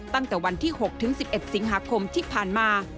ตั้งแต่วันที่๖ถึง๑๑สิงหาคมที่ผ่านมา